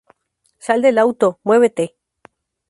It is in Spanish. ¡ Sal del auto! ¡ muévete!